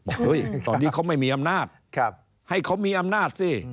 เฮ้ยตอนนี้เขาไม่มีอำนาจให้เขามีอำนาจสิ